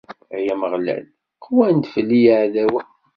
Ay Ameɣlal, qwan-d fell-i yiɛdawen.